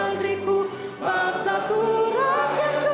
ntuh titis tulis ga lagi n yeti